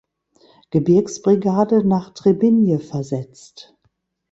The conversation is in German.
Gebirgsbrigade nach Trebinje versetzt.